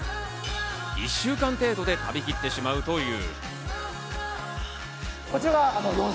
１週間程度で食べきってしまうという。